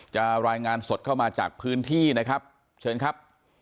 รายงานสดเข้ามาจากพื้นที่นะครับเชิญครับ